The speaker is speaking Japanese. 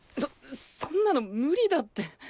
そそんなの無理だって。